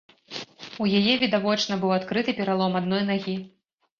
У яе, відавочна, быў адкрыты пералом адной нагі.